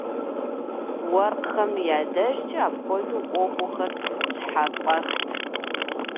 Уэркъхэм я дежкӀэ апхуэдэ Ӏуэхухэр щхьэфӀэхт.